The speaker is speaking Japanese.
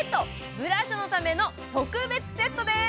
ブラショのための特別セットでーす。